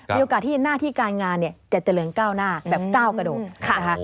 มีโอกาสที่หน้าที่การงานจะเจริญก้าวหน้าแบบก้าวกระดูก